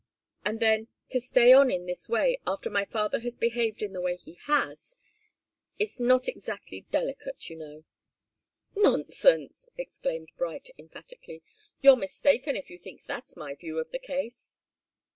And then, to stay on in this way, after my father has behaved in the way he has it's not exactly delicate, you know " "Nonsense!" exclaimed Bright, emphatically. "You're mistaken if you think that's my view of the case."